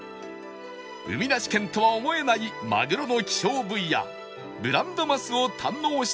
海なし県とは思えないマグロの希少部位やブランドマスを堪能した一同